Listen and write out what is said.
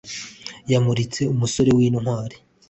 yamuritse umusore w'intwari